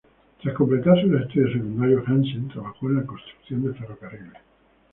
Tras completar sus estudios secundarios, Hansen trabajó en la construcción de ferrocarriles.